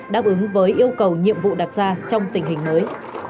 đáp ứng với yêu cầu nhiệm vụ đặt ra trong tình hình mới